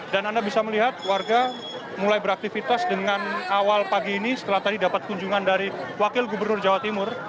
anda bisa melihat warga mulai beraktivitas dengan awal pagi ini setelah tadi dapat kunjungan dari wakil gubernur jawa timur